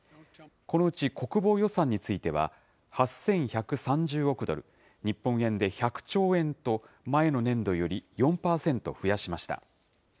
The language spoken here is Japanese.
このうち国防予算については、８１３０億ドル、日本円で１００兆円と、前の年度より４％増やしました。